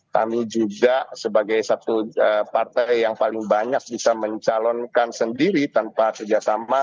kami juga sebagai satu partai yang paling banyak bisa mencalonkan sendiri tanpa kerjasama